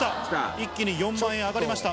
一気に４万円上がりました。